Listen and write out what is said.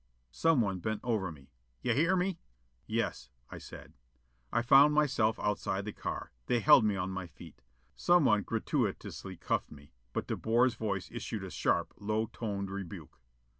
Someone bent over me. "You hear me?" "Yes," I said. I found myself outside the car. They held me on my feet. Someone gratuitously cuffed me, but De Boer's voice issued a sharp, low toned rebuke.